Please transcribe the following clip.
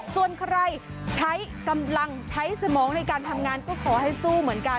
ส่วนใครใช้กำลังใช้สมองในการทำงานก็ขอให้สู้เหมือนกัน